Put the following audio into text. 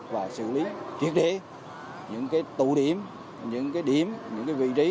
và xử lý triệt để những cái tụ điểm những cái điểm những cái vị trí